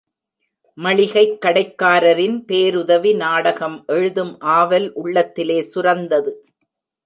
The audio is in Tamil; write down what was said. மளிகைக் கடைக்காரரின் பேருதவி நாடகம் எழுதும் ஆவல் உள்ளத்திலே சுரந்தது.